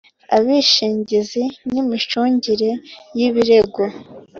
abishingizi n imicungire y ibirego